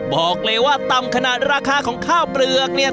บอกเลยว่าต่ำขนาดราคาของข้าวเปลือกเนี่ย